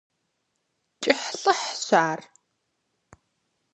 КӀыхьлъыхьщ ар…